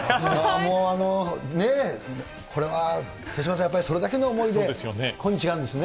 もう、ねぇ、これは手嶋さん、それだけの思いで今日があるんですね。